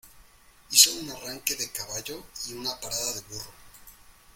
Hizo un arranque de caballo y una parada de burro.